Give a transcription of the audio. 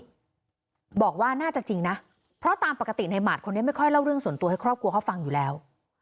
บอกว่าน่าจะจริงนะเพราะตามปกติในหมาดคนนี้ไม่ค่อยเล่าเรื่องส่วนตัวให้ครอบครัวเขาฟังอยู่แล้ว